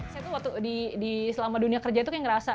saya tuh waktu di selama dunia kerja itu kayak ngerasa